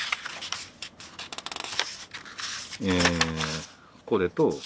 えこれと。